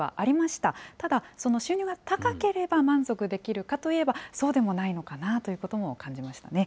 ただ、その収入が高ければ満足できるかといえば、そうでもないのかなということも感じましたね。